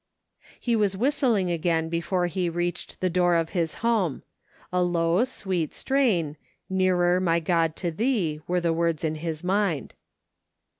He was whistling again before he reached the door of his home. A low, sweet strain, " Nearer, my God, to thee," were the words in his mind.